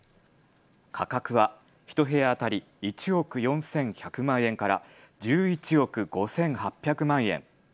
価格は１部屋当たり１億４１００万円から１１億５８００万円。